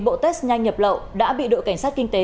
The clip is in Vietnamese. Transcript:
bộ test nhanh nhập lậu đã bị đội cảnh sát kinh tế